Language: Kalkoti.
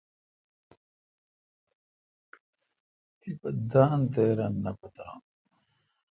تیپہ دان تے رن نہ پتران۔